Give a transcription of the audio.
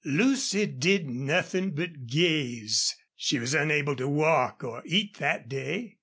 Lucy did nothing but gaze. She was unable to walk or eat that day.